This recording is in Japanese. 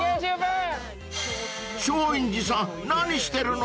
［松陰寺さん何してるの？］